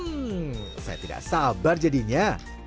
hmm saya tidak sabar jadinya